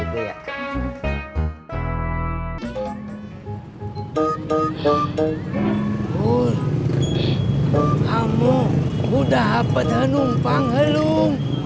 bur kamu udah apa dan umpang helum